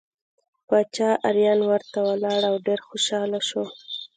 باچا اریان ورته ولاړ او ډېر خوشحاله شو.